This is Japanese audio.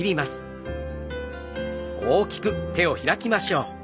大きく開きましょう。